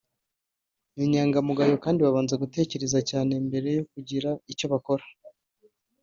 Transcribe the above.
ni inyangamugayo kandi babanza gutekereza cyane mbere yo kugira icyo bakora